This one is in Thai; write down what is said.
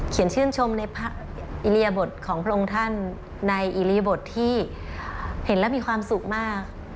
เขียนชื่นชมในอิริยบทของผลงท่านในอิริยบทที่เห็นแล้วมีความสุขมาก